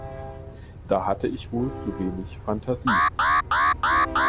Da hatte ich wohl zu wenig Fantasie.